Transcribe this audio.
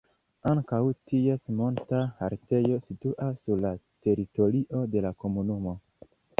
Ankaŭ ties monta haltejo situas sur la teritorio de la komunumo.